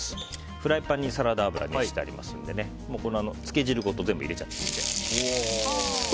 フライパンにサラダ油を熱してありますので漬け汁ごと全部、入れちゃってください。